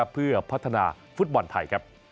เพื่อพัฒนาฟุตบอลไทย